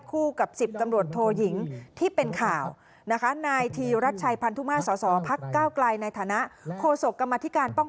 คู่กับสิบตำรวจโทหยิงที่เป็นข่าวนะคะ